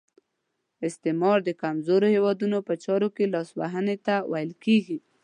استعمار د کمزورو هیوادونو په چارو کې لاس وهنې ته ویل کیږي.